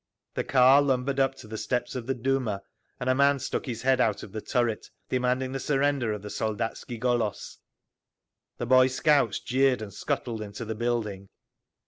The car lumbered up to the steps of the Duma and a man stuck his head out of the turret, demanding the surrender of the Soldatski Golos. The boy scouts jeered and scuttled into the building.